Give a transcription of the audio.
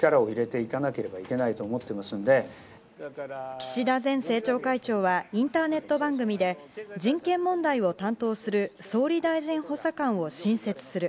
岸田前政調会長はインターネット番組で人権問題を担当する総理大臣補佐官を新設する。